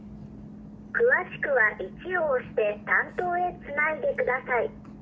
詳しくは１を押して担当へつないでください。